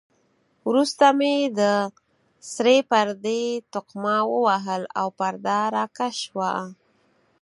وروسته مې د سرې پردې تقمه ووهل او پرده را کش شوه.